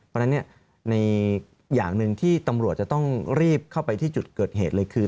เพราะฉะนั้นในอย่างหนึ่งที่ตำรวจจะต้องรีบเข้าไปที่จุดเกิดเหตุเลยคือ